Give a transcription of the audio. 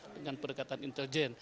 dengan pendekatan intelijen